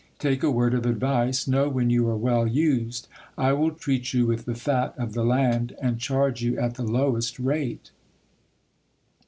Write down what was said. Take a word of advice, know when you are well used ; I will treat you with the fat of the land, and charge you at the lowest i8o GIL BLAS. rate.